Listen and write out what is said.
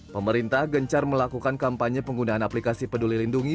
pemerintah gencar melakukan kampanye penggunaan aplikasi peduli lindungi